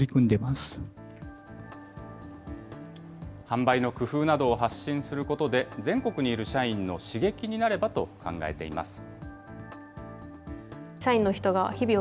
販売の工夫などを発信することで、全国にいる社員の刺激になればと考えています。